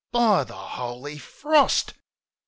.. By the Holy Frost !